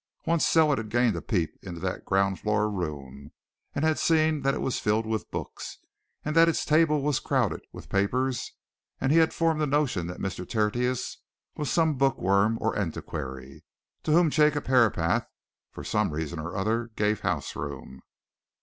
Once Selwood had gained a peep into that ground floor room, and had seen that it was filled with books, and that its table was crowded with papers, and he had formed the notion that Mr. Tertius was some book worm or antiquary, to whom Jacob Herapath for some reason or other gave house room.